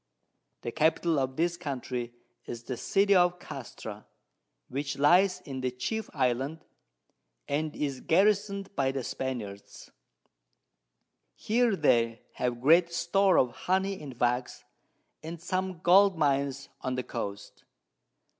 The Capital of this Country is the City of Castra, which lies in the chief Island, and is garrison'd by the Spaniards. Here they have great Store of Honey and Wax, and some Gold Mines on the Coast.